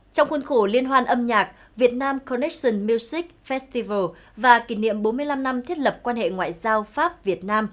trong khuôn khổ liên hoàn âm nhạc việt nam connection music festival và kỷ niệm bốn mươi năm năm thiết lập quan hệ ngoại giao pháp việt